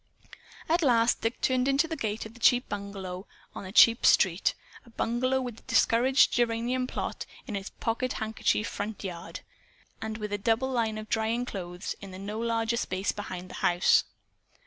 At last Dick turned in at the gate of a cheap bungalow on a cheap street a bungalow with a discouraged geranium plot in its pocket handkerchief front yard, and with a double line of drying clothes in the no larger space behind the house.